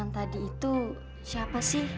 tadi itu siapa sih